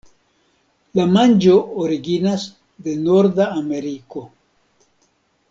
La manĝo originas de Norda Ameriko.